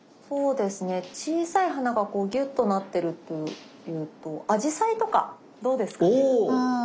そうですね小さい花がこうぎゅっとなってるっていうとあじさいとかどうですか？